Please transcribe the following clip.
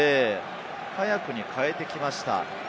早くに代えてきました。